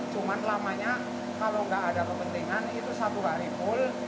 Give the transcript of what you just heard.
cuman lamanya kalau nggak ada kepentingan itu satu hari full